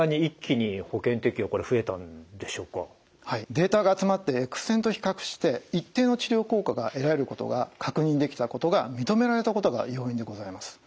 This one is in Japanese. データが集まってＸ線と比較して一定の治療効果が得られることが確認できたことが認められたことが要因でございます。